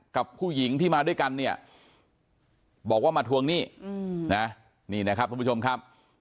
กับผู้หญิงที่มาด้วยกันเนี่ยบอกว่ามาทวงหนี้นะนี่นะครับทุกผู้ชมครับ